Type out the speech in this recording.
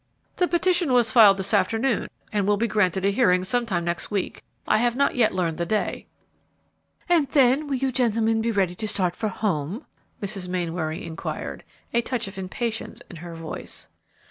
"The petition was filed this afternoon, and will be granted a hearing some time next week; I have not yet learned the day." "And then will you gentlemen be ready to start for home?" Mrs. Mainwaring inquired, a touch of impatience in her voice.